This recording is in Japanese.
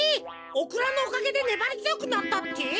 オクラのおかげでねばりづよくなったって？